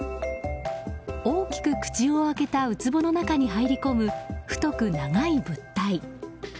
大きく口を開けたウツボの中に入り込む太く長い物体。